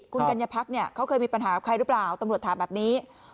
คุณกัญญาพักเนี่ยเขาเคยมีปัญหากับใครหรือเปล่าตำรวจถามแบบนี้